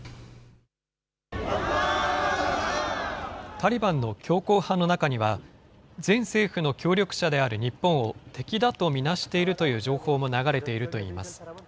タリバンの強硬派の中には、前政府の協力者である日本を敵だと見なしているという情報も流れているといいます。